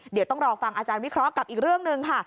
เดี๋ยวต้องรอฟังอาจารย์วิเคราะห์กับอีกเรื่องหนึ่งค่ะ